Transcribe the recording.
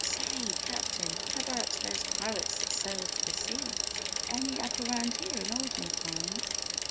"Say, Captain, how about those pirates that sailed the seas any up around here in olden times?"